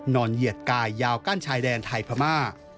เหยียดกายยาวกั้นชายแดนไทยพม่า